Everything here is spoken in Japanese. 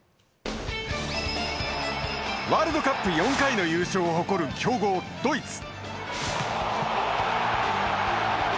ワールドカップ４回の優勝を誇る、強豪ドイツ。